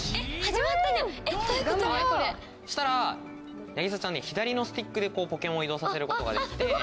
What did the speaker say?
そしたらニャぎさちゃんね左のスティックでポケモンを移動させることができて。